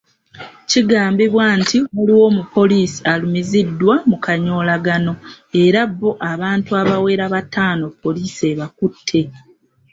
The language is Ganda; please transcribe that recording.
Kigambibwa nti waliwo omupoliisi alumiziddwa mu kanyoolagano era bo abantu abawera bataano poliisi ebakutte.